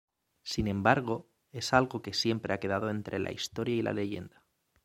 Sin embargo, es algo que siempre ha quedado entre la historia y la leyenda.